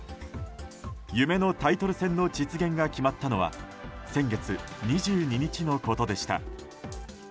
夢のタイトル戦の実現が決まったのは先月２２日のことでした。